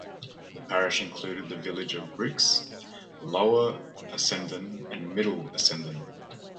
The parish includes the villages of Bix, Lower Assendon and Middle Assendon.